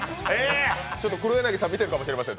黒柳さん、見てるかもしれません。